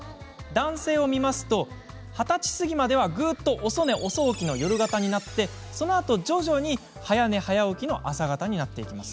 男性を見ると、２０歳過ぎまでぐっと遅寝、遅起きの夜型になってそのあと徐々に早寝、早起きの朝型になっていきます。